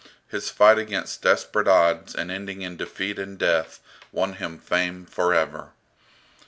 His fight against desperate odds and ending in defeat and death won him fame for ever.